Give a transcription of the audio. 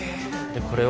これを。